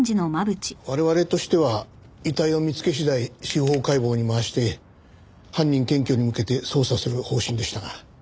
我々としては遺体を見つけ次第司法解剖に回して犯人検挙に向けて捜査する方針でしたが。